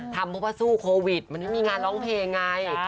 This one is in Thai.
ทำเพราะว่าสู้โควิดมันไม่มีงานร้องเพลงไง